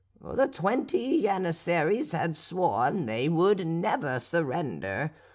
The twenty Janissaries had sworn they would never surrender.